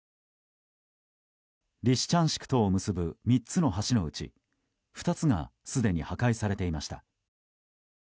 リシチャンシクとを結ぶ３つの橋のうち２つがすでに破壊されていました。